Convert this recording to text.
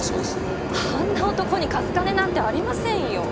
あんな男に貸す金なんてありませんよ。